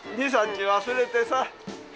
２、３日忘れてさ。